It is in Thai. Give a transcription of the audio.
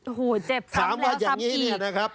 โอ้โหเจ็บซ้ำแล้วซ้ำอีก